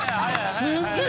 すっげえ！